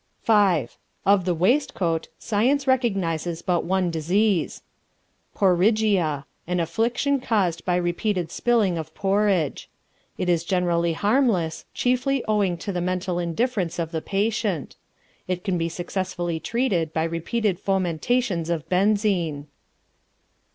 V. Of the waistcoat science recognizes but one disease Porriggia, an affliction caused by repeated spilling of porridge. It is generally harmless, chiefly owing to the mental indifference of the patient. It can be successfully treated by repeated fomentations of benzine.